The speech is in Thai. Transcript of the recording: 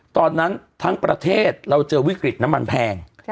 ตอนนั้นทั้งประเทศเราเจอวิกฤตน้ำมันแพง